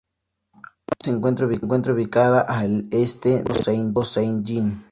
Alma se encuentra ubicada al este del lago Saint-Jean.